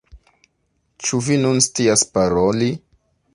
Ĉu vi nun scias paroli?